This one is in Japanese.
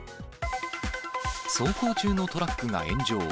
走行中のトラックが炎上。